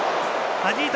はじいた！